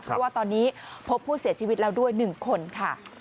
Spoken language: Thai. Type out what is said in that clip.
เพราะว่าตอนนี้พบผู้เสียชีวิตแล้วด้วย๑คนค่ะ